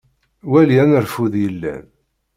Wali anerfud yellan.